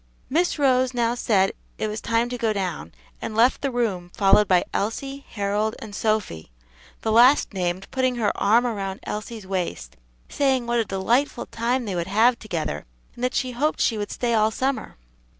Miss Rose now said it was time to go down stairs, and left the room, followed by Elsie, Harold, and Sophy, the last named putting her arm around Elsie's waist, saying what a delightful time they would have together, and that she hoped she would stay all summer.